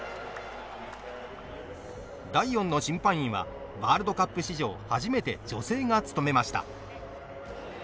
第４の審判員はワールドカップ史上初めて女性が務めました。